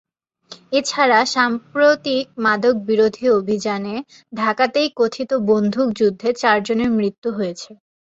এ ছাড়া সাম্প্রতিক মাদকবিরোধী অভিযানে ঢাকাতেই কথিত বন্দুকযুদ্ধে চারজনের মৃত্যু হয়েছে।